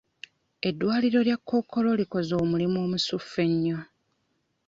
Eddwaliro lya kkookolo likoze omulimu omusufu ennyo.